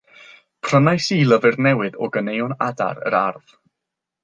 Prynais i lyfr newydd o ganeuon adar yr ardd.